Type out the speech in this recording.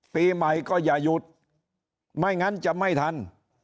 ปีใหม่ก็อย่าหยุดไม่งั้นจะไม่ทัน